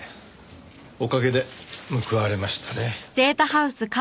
おかげで報われましたね。